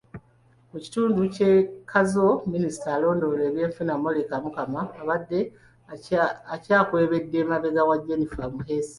Mu kitundu ky'e Kazo Minisita alondoola ebyenfuna Molly Kamukama, abadde akyakwebedde emabega wa Jennifer Muheesi.